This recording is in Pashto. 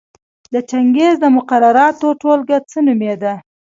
د چنګیز د مقرراتو ټولګه څه نومېده؟